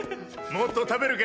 もっと食べるか？